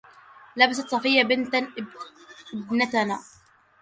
لبست صفية بنت ابنتنا